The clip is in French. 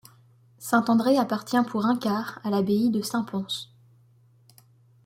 Saint-André appartient pour un quart à l'abbaye de Saint-Pons.